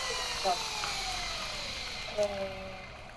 湛江雌盘吸虫为微茎科雌盘属的动物。